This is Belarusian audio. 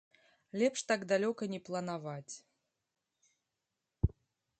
Лепш так далёка не планаваць.